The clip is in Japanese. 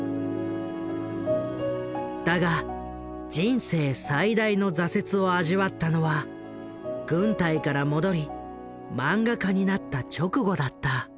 だが人生最大の挫折を味わったのは軍隊から戻りマンガ家になった直後だった。